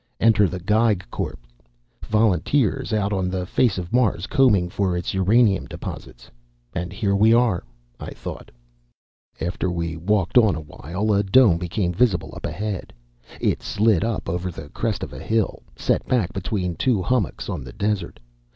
Enter the Geig Corps: volunteers out on the face of Mars, combing for its uranium deposits. And here we are, I thought. After we walked on a while, a Dome became visible up ahead. It slid up over the crest of a hill, set back between two hummocks on the desert.